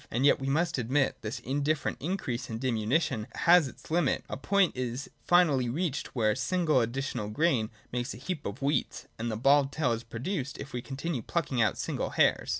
And yet, as we must admit, this indifferent increase and diminution has its limit : a point is finally reached, where a single additional grain makes a heap of wheat ; and the bald tail is produced, if we continue plucking out single hairs.